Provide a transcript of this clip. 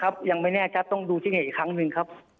ยังไม่แน่ชัดต้องดูที่เหตุอีกครั้งหนึ่งครับ